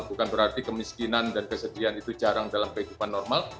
bukan berarti kemiskinan dan kesedihan itu jarang dalam kehidupan normal